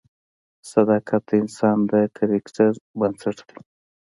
صداقت د انسان د کرکټر بنسټ دی.